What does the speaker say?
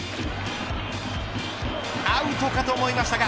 アウトかと思いましたが